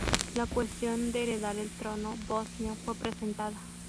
La cuestión de heredar el trono bosnio fue presentada.